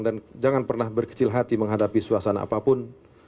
dan jangan pernah berkecil hati menghadapi suasana apapun